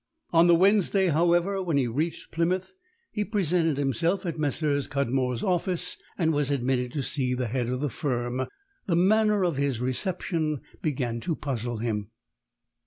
On the Wednesday, however, when he reached Plymouth, he presented himself at Messrs. Cudmore's office, and was admitted to see the head of the firm, the manner of his reception began to puzzle him.